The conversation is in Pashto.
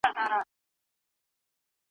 لویه جرګه کي د خلګو استازیتوب څوک کوي؟